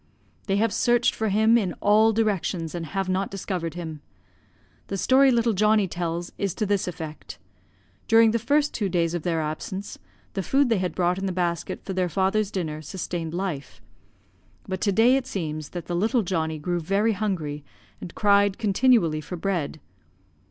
"They have searched for him in all directions and have not discovered him. The story little Johnnie tells is to this effect. During the first two days of their absence, the food they had brought in the basket for their father's dinner, sustained life; but to day it seems that the little Johnnie grew very hungry, and cried continually for bread.